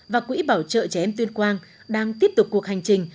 và quỹ bảo trợ trẻ em tuyên quang đang tiếp tục cuộc hành trình